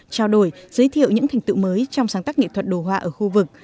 trao đổi giới thiệu những thành tựu mới trong sáng tác nghệ thuật đồ họa ở khu vực